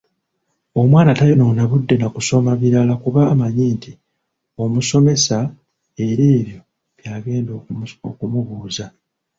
Omwana tayonoona budde na kusoma birala kuba amanyi nti omusomesa era ebyo by’agenda okumubuuza.